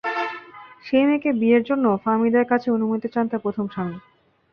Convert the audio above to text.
সেই মেয়েকে বিয়ের জন্য ফাহমিদার কাছে অনুমতি চান তাঁর প্রথম স্বামী।